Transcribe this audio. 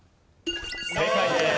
正解です。